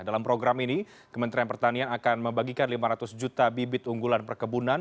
dalam program ini kementerian pertanian akan membagikan lima ratus juta bibit unggulan perkebunan